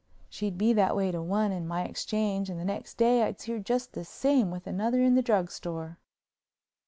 She'd be that way to one in my exchange and the next day I'd see her just the same with another in the drugstore.